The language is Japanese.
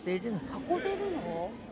運べるの？